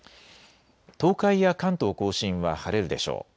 東海や関東甲信は晴れるでしょう。